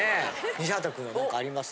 西畑くん何かあります？